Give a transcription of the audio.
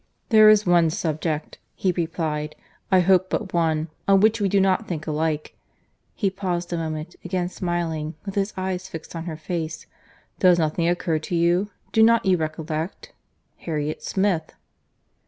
"There is one subject," he replied, "I hope but one, on which we do not think alike." He paused a moment, again smiling, with his eyes fixed on her face. "Does nothing occur to you?—Do not you recollect?—Harriet Smith."